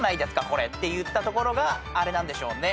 これっていったところがあれなんでしょうね。